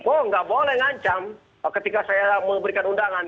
oh nggak boleh ngancam ketika saya memberikan undangan